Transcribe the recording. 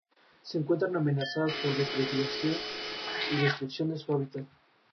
Algunas de ellas pueden verse en series, "reality shows" y noticieros.